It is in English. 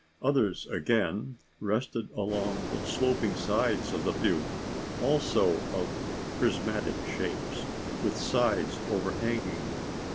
Others, again, rested along the sloping sides of the butte also of prismatic shapes, with sides overhanging.